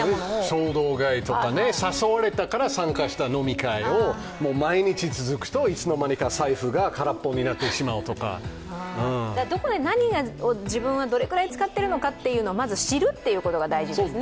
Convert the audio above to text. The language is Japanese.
衝動買いとか、誘われたから参加した飲み会、毎日続くといつの間にか財布が空っぽになってしまうとかどこで何を自分はどれくらい使っているかをまず知るということが大事ですね。